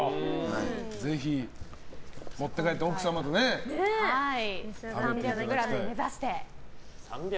ぜひ持って帰って３００ｇ目指して。